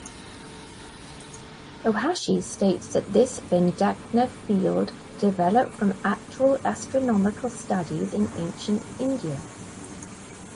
Ohashi states that this Vedanga field developed from actual astronomical studies in ancient India.